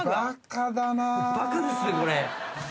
バカですねこれ。